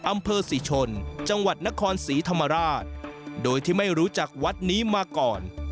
อำเภอศรีชนจังหวัดนครศรีธรรมราชโดยที่ไม่รู้จักวัดนี้มาก่อน